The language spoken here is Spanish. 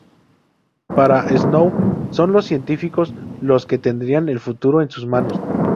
Para Snow son los científicos los que tendrían el futuro en sus manos.